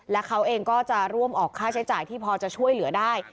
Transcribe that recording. และเขาเองก็จะร่วมออกค่าใช้จ่ายที่พอจะช่วยเหลือได้